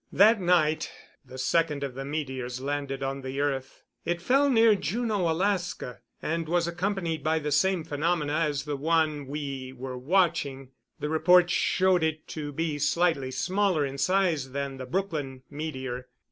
That night the second of the meteors landed on the earth. It fell near Juneau, Alaska, and was accompanied by the same phenomena as the one we were watching. The reports showed it to be slightly smaller in size than the Brookline meteor.